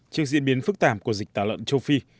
trước diễn biến phức tạp của dịch tả lợn châu phi